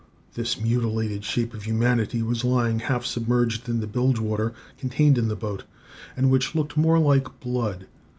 This mutilated shape of humanity was lying half submerged in the bilge water contained in the boat, and which looked more like blood.